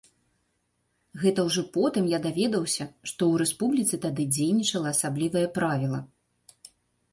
Гэта ўжо потым я даведаўся, што ў рэспубліцы тады дзейнічала асаблівае правіла.